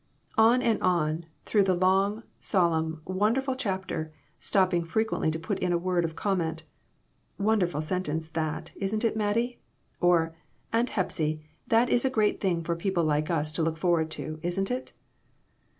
On and on, through the long, solemn, wonden ful chapter, stopping frequently to put in a word of comment "Wonderful sentence that; isn't it, Mattie?" or, "Aunt Hepsy, that is a great thing for people like us to look forward to, isn't it?"